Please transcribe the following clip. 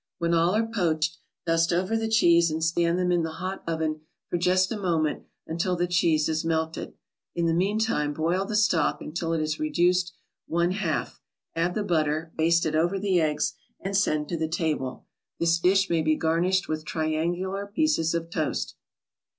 When all are poached, dust over the cheese and stand them in the hot oven for just a moment until the cheese is melted. In the meantime boil the stock until it is reduced one half, add the butter, baste it over the eggs and send to the table. This dish may be garnished with triangular pieces of toast.